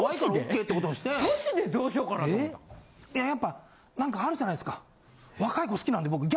いややっぱなんかあるじゃないですか。